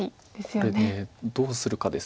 これでどうするかです。